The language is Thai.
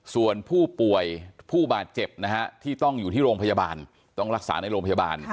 ส่วนผู้ป่วยผู้บาดเจ็บนะฮะที่ต้องอยู่ที่โรงพยาบาลต้องรักษาในโรงพยาบาล